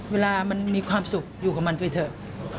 เวลามันมีความสุขอยู่กับมันไปเถอะ